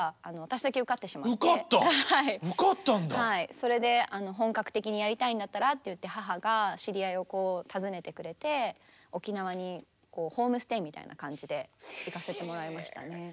それで本格的にやりたいんだったらっていって母が知り合いをたずねてくれて沖縄にホームステイみたいな感じで行かせてもらいましたね。